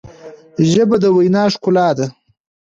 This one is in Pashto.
ژبه د وینا ښکلا ده.